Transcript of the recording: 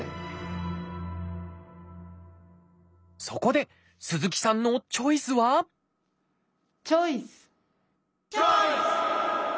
そこで鈴木さんのチョイスはチョイス！